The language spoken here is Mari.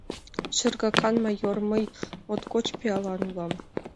— Шергакан майор, мый моткоч пиалан улам...